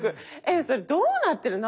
えっそれどうなってる？